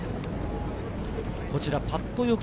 こちらパット予測